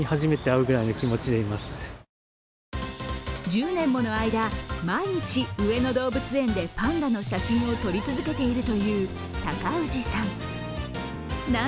１０年もの間、毎日、上野動物園でパンダの写真を撮り続けているという高氏さん。